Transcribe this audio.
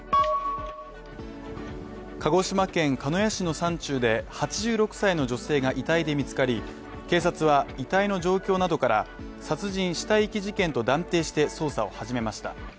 鹿児島県鹿屋市の山中で８６歳の女性が遺体で見つかり、警察は遺体の状況などから殺人死体遺棄事件と断定して捜査を始めました。